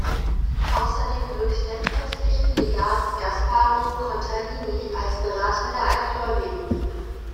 Außerdem wirkte der päpstliche Legat Gasparo Contarini als Berater der Altgläubigen mit.